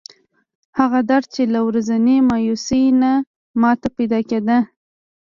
هغه درد چې له ورځنۍ مایوسۍ نه ماته پیدا کېده.